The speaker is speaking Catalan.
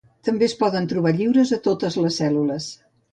També es poden trobar lliures a totes les cèl·lules.